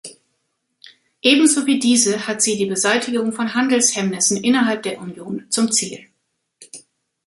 Ebenso wie diese hat sie die Beseitigung von Handelshemmnissen innerhalb der Union zum Ziel.